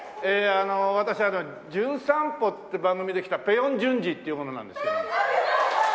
私『じゅん散歩』って番組で来たペ・ヨンジュンジっていう者なんですけども。